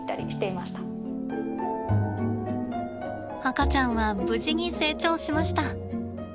赤ちゃんは無事に成長しました。